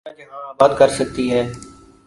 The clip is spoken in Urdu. اور وہ اپنا جہاں آباد کر سکتی ہے۔